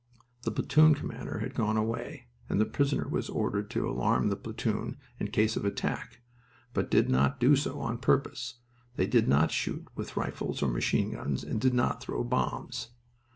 The platoon commander had gone away, and the prisoner was ordered to alarm the platoon in case of attack, but did not do so on purpose. They did not shoot with rifles or machine guns and did not throw bombs.